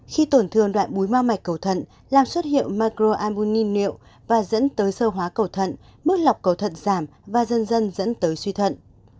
khi tổn thương đoạn múi mau mạch cầu thận làm xuất hiện microalbumin niệu và dẫn tới sơ hóa cầu thận mức lọc cầu thận giảm và dần dần dẫn tới suy thận